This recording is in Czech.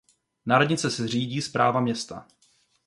Na radnici se řídí správa města.